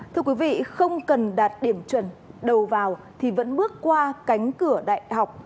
thưa quý vị không cần đạt điểm chuẩn đầu vào thì vẫn bước qua cánh cửa đại học